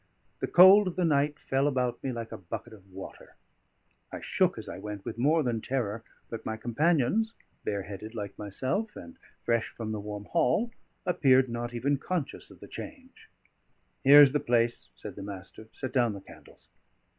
The cold of the night fell about me like a bucket of water; I shook as I went with more than terror; but my companions, bare headed like myself, and fresh from the warm hall, appeared not even conscious of the change. "Here is the place," said the Master. "Set down the candles."